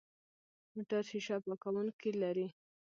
موټر شیشه پاکونکي لري.